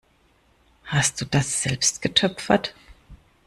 Hast du das selbst getöpfert?